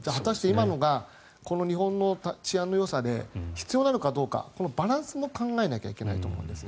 今のがこの日本の治安のよさで必要なのかどうかこのバランスも考えないといけないと思うんです。